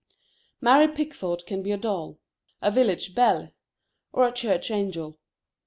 Mary Pickford can be a doll, a village belle, or a church angel.